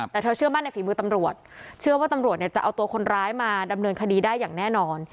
แต่เธอเชื่อมั่นในฝีมือตำรวจเชื่อว่าตำรวจเนี่ยจะเอาตัวคนร้ายมาดำเนินคดีได้อย่างแน่นอน